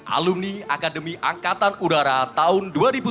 alumni akademi angkatan udara tahun dua ribu tiga